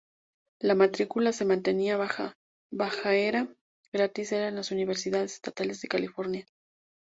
La matrícula se mantenía baja -era gratis en las universidades estatales de California.